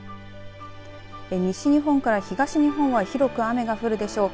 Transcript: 西日本から東日本は広く雨が降るでしょう。